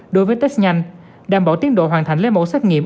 đối với test nhanh đảm bảo tiến độ hoàn thành lấy mẫu xét nghiệm